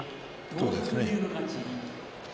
そうですね。